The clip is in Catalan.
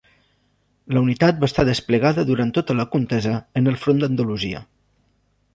La unitat va estar desplegada durant tota la contesa en el Front d'Andalusia.